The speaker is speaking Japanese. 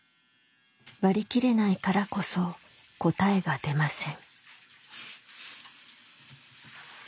割り切れないからこそ答えが出ません。